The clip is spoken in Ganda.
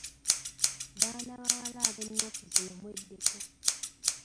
Baana bawala ab'ennaku zino mweddeko!